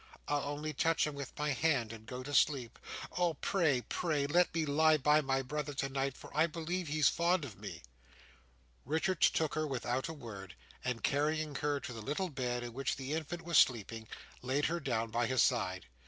"I'll only touch him with my hand, and go to sleep. Oh, pray, pray, let me lie by my brother tonight, for I believe he's fond of me!" Richards took her without a word, and carrying her to the little bed in which the infant was sleeping, laid her down by his side.